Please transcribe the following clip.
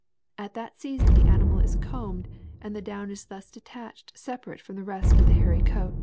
At that season the animal is combed and the down is thus detached separate from the rest of the hairy coat.''